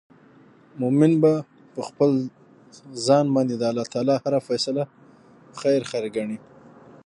مؤمن به په خپل ځان باندي د الله تعالی هره فيصله خير خير ګڼې